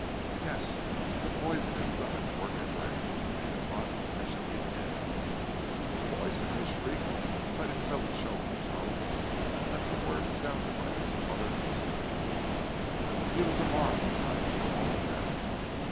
"'Yes; the poison has done its work at last. At eight o'clock I shall be dead.' "'Poison!' I shrieked, but in so choked a tone the word sounded like a smothered whisper. "But he was alarmed by it for all that.